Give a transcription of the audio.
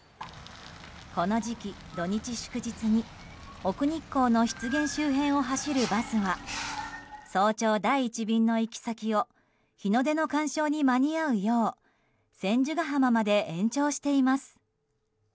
この時期、土日祝日に奥日光の湿原周辺を走るバスは早朝第１便の行き先を日の出の鑑賞に間に合うよう千手ヶ浜まで延長しています。